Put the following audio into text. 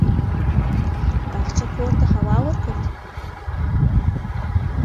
باغچه کور ته هوا ورکوي.